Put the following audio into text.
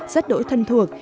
rất đổi thân thuộc